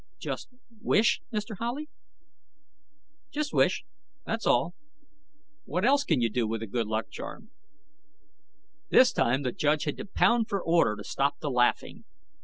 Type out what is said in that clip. _ Just wish, Mr. Howley?" "Just wish. That's all. What else can you do with a good luck charm?" This time, the judge had to pound for order to stop the laughing.